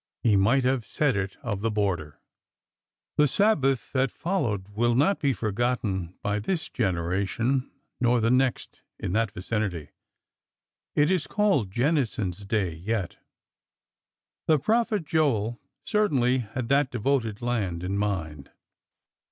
He might have said it of the border. The Sabbath that followed will not be forgotten by this generation nor the next in that vicinity. It is called '' Jennison's Day " yet. The prophet Joel certainly had that devoted land in mind.